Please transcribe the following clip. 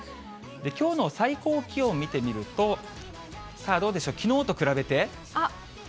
きょうの最高気温を見てみると、どうでしょう、きのうと比べて。